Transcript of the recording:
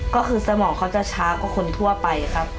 ก็คือสมองเขาจะช้ากว่าคนทั่วไปครับ